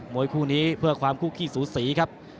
วยคู่นี้เพื่อความคู่ขี้สูสีครับ